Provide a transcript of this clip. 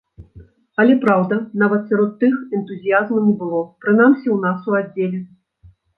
Але, праўда, нават сярод тых энтузіязму не было, прынамсі ў нас у аддзеле.